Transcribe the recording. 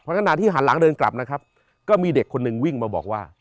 ขณะที่หันหลังเดินกลับนะครับก็มีเด็กคนหนึ่งวิ่งมาบอกว่า